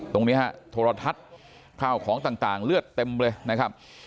ตรงนี้ฮะโทรทัศน์ข้าวของต่างเลือดเต็มเลยนะครับ